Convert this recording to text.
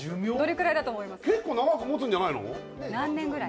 結構長くもつんじゃないの？